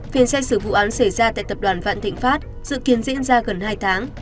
phiên xét xử vụ án xảy ra tại tập đoàn vạn thịnh pháp dự kiến diễn ra gần hai tháng